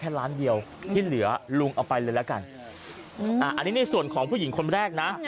อันนี้ในส่วนของผู้หญิงคนแรกนะ